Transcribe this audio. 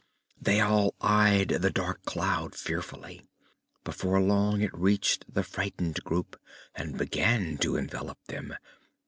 They all eyed the dark cloud fearfully. Before long it reached the frightened group and began to envelop them.